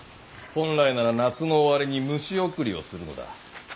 本来なら夏の終わりに虫送りをするのだ。